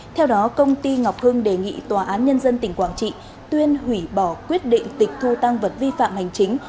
theo đó công ty ngọc hưng đề nghị tòa án nhân dân tỉnh quảng trị tuyên hủy bỏ quyết định tịch thu tăng vật vi phạm hành chính